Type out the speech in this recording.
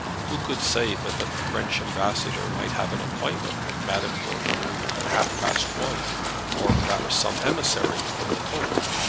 Who could say but that the French ambassador might have an appointment with Madame Gordeloup at half past one, or perhaps some emissary from the Pope!